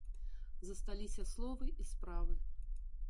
Засталіся словы і справы.